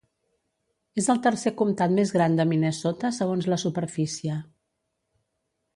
És el tercer comtat més gran de Minnesota segons la superfície.